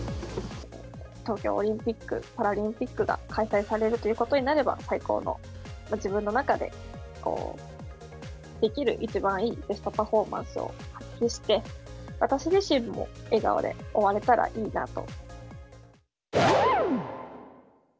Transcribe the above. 東京オリンピック・パラリンピックが開催されるということになれば、最高の、自分の中でできる一番いいベストパフォーマンスを発揮して、私自身も笑顔で終われたらいいなと。